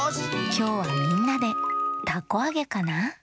きょうはみんなでたこあげかな？